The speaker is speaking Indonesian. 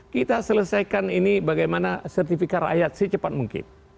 kita selesaikan ini bagaimana sertifikat rakyat secepat mungkin